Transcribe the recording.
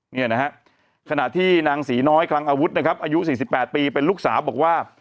เนี่ยนะฮะขณะที่นางศรีน้อยคลังอาวุธนะครับอายุ๔๘ปีเป็นลูกสาวบอกว่า